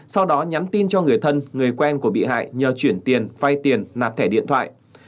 sau đó nhắn tin cho người thân người quen của bị hại nhờ chuyển tiền vay tiền nạp thẻ điện thoại